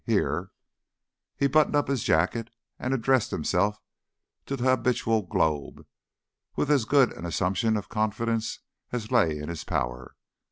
Here " He buttoned up his jacket and addressed himself to the habitable globe, with as good an assumption of confidence as lay in his power.